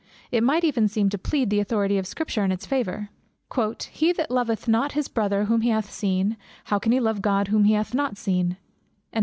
It might even seem to plead the authority of Scripture in its favour "He that loveth not his brother whom he hath seen, how can he love God whom he hath not seen?"